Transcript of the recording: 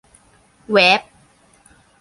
เว็บ